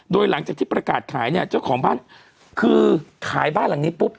โดยหลังจากที่ประกาศขายเนี่ยเจ้าของบ้านคือขายบ้านหลังนี้ปุ๊บ